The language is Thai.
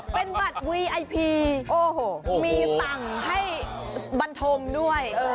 เป็นบัตรวีไอพีโอ้โหมีสั่งให้บรรทมด้วย